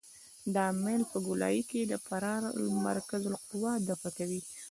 دا میل په ګولایي کې د فرار المرکز قوه دفع کوي